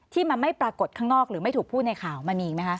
ที่มันไม่ปรากฏข้างนอกหรือไม่ถูกพูดในข่าวมันมีอีกไหมคะ